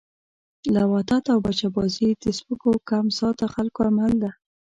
لواطت او بچه بازی د سپکو کم ذات خلکو عمل ده